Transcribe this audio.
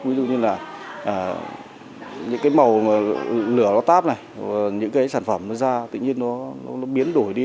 ví dụ như là những cái màu lửa nó táp này những cái sản phẩm nó ra tự nhiên nó biến đổi đi